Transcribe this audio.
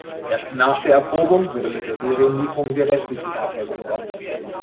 Erst nach der Erprobung wurde mit der Serienlieferung der restlichen Fahrzeuge begonnen.